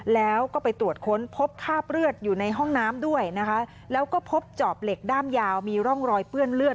แล้วก็ไปตรวจค้นพบคราบเลือดอยู่ในห้องน้ำด้วยนะคะแล้วก็พบจอบเหล็กด้ามยาวมีร่องรอยเปื้อนเลือด